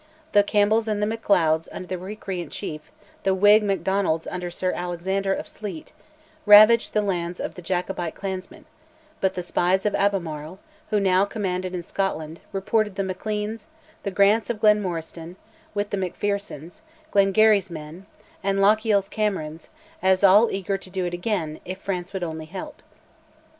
The Campbells and the Macleods under their recreant chief, the Whig Macdonalds under Sir Alexander of Sleat, ravaged the lands of the Jacobite clansmen; but the spies of Albemarle, who now commanded in Scotland, reported the Macleans, the Grants of Glenmoriston, with the Macphersons, Glengarry's men, and Lochiel's Camerons, as all eager "to do it again" if France would only help.